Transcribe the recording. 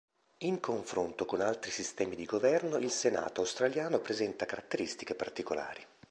In confronto con altri sistemi di governo, il Senato australiano presenta caratteristiche particolari.